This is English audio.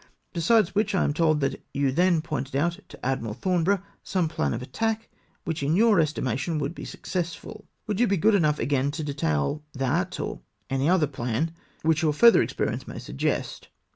Besides which, I am told that you then pointed out to Admiral Thornborough some plan of attack, which in your estimation would be suc cessful. Will you be good enough again to detail that or any other plan, which your further experience may suggest.